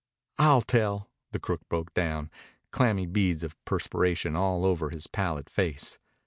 "I'll tell!" The crook broke down, clammy beads of perspiration all over his pallid face.